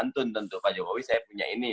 tentu pak jokowi saya punya ini